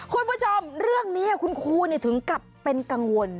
คุณผู้ชมเรื่องนี้คุณครูถึงกับเป็นกังวล